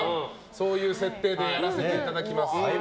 そういう設定でやらせていただきます。